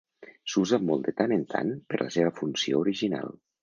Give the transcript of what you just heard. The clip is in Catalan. S'usa molt de tant en tant per la seva funció original.